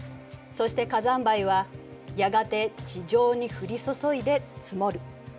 そして火山灰はやがて地上に降り注いで積もる。